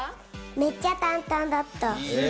めっちゃ簡単だった。